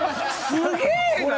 すげえな！